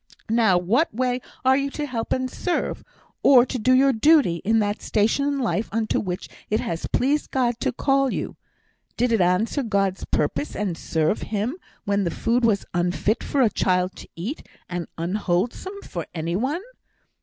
Now what way are you to help and serve, or to do your duty, in that station of life unto which it has pleased God to call you? Did it answer God's purpose, and serve Him, when the food was unfit for a child to eat, and unwholesome for any one?'